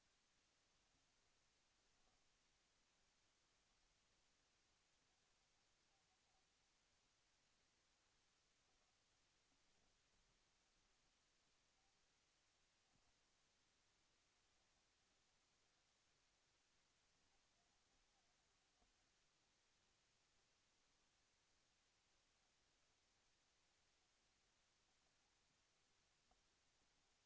โปรดติดตามตอนต่อไป